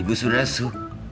ibu sebenernya su